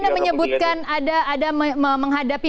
anda menyebutkan ada menghadapi